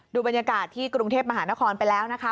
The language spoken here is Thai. ดูบรรยากาศที่กรุงเทพมหานครไปแล้วนะคะ